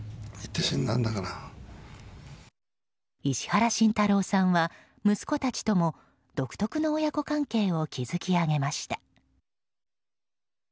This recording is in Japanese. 石原慎太郎さんは息子たちとも独特の親子関係を築き上げました。